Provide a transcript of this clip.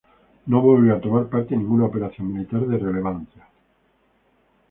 No volvió a tomar parte en ninguna operación militar de relevancia.